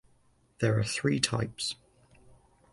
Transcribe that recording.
There are three types.